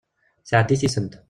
Sɛeddi tisent.